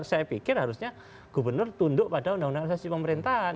saya pikir harusnya gubernur tunduk pada undang undang asasi pemerintahan